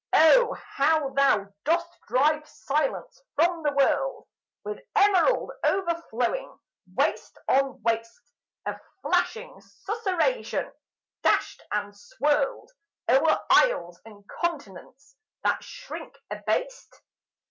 Oh, how thou dost drive silence from the world, With emerald overflowing, waste on waste Of flashing susurration, dashed and swirled O'er isles and continents that shrink abased!